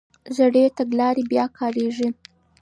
زړې تګلارې بیا کارېږي.